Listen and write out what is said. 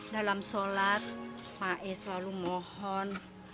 dalam sholat ma'e selalu mohon